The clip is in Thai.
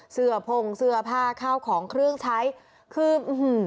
เสื้อพงเสื้อผ้าข้าวของเครื่องใช้คืออื้อหือ